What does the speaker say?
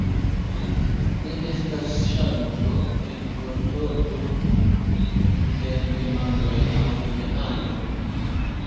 Ne estas ŝanĝo en vortordo en demandoj aŭ neado.